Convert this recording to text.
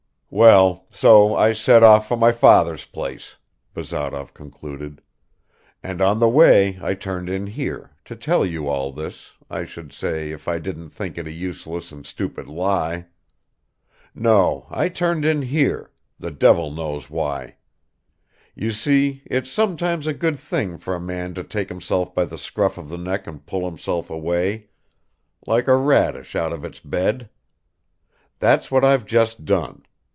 Well, so I set off for my father's place," Bazarov concluded, "and on the way I turned in here ... to tell you all this, I should say, if I didn't think it a useless and stupid lie. No, I turned in here the devil knows why. You see it's sometimes a good thing for a man to take himself by the scruff of the neck and pull himself away, like a radish out of its bed; that's what I've just done